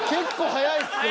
早いっすね。